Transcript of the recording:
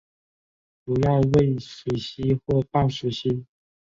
主要为水栖或半水栖。